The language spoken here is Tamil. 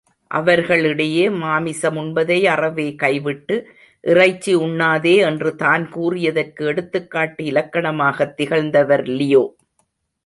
அவர்கள் இடையே மாமிசம் உண்பதை அறவே கைவிட்டு, இறைச்சி உண்ணாதே என்றுதான் கூறியதற்கு எடுத்துக்காட்டு இலக்கணமாகத் திகழ்ந்தவர் லியோ!